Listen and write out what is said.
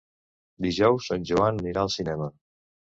Dijous en Joan anirà al cinema.